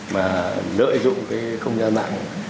mà lợi dụng cái không ra mạng